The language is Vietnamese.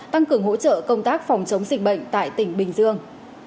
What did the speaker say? tăng cường hỗ trợ công tác phòng chống dịch bệnh tại tỉnh bình dương